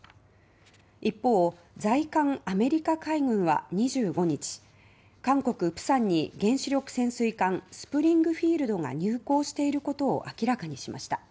一方、在韓アメリカ海軍は２５日韓国・釜山に原子力潜水艦「スプリングフィールド」が入港していることを明らかにしました。